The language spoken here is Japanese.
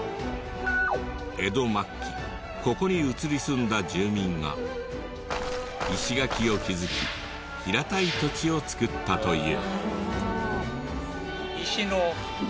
江戸末期ここに移り住んだ住民が石垣を築き平たい土地を作ったという。